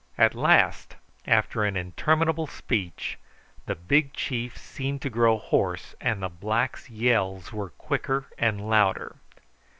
At last, after an interminable speech, the big chief seemed to grow hoarse, and the blacks' yells were quicker and louder.